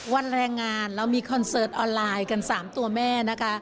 วันแรงงานเรามีคอนเสิร์ตออนไลน์กัน๓ตัวแม่นะคะ